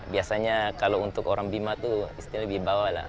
biasanya kalau untuk orang mima itu istilahnya lebih bawah lah